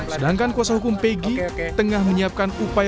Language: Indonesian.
sedangkan kuasa hukum peggy tengah menyiapkan upaya